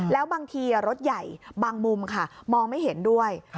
แล้วบางทีรถใหญ่บางมุมค่ะมองไม่เห็นด้วย